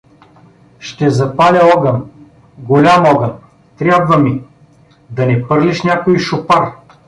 Ще запаля огън, голям огън, трябва ми… — Да не пърлиш някой шопар?